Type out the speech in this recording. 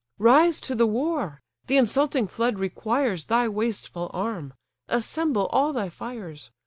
"Rise to the war! the insulting flood requires Thy wasteful arm! assemble all thy fires!